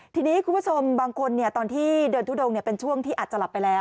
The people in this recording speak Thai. ทีนี้คุณผู้ชมบางคนตอนที่เดินทุดงเป็นช่วงที่อาจจะหลับไปแล้ว